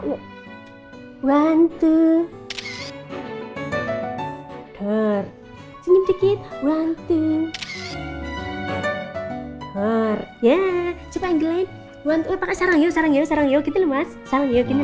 one thing for ya cepet gilain wanita sarang yosarang yukit lemas salju gini